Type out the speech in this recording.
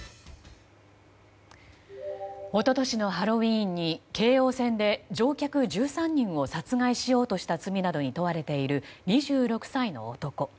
一昨年のハロウィーンに京王線で乗客１３人を殺害しようとした罪などに問われている２６歳の男。